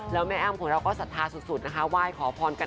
แล้วแม่แอ้มของเราก็ศรัทธาสุดนะคะไหว้ขอพรกัน